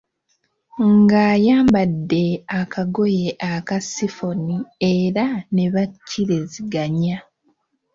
ng’ayambadde akagoye aka sifoni era ne bakkiriziganya.